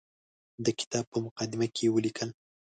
د کتاب په مقدمه کې یې ولیکل.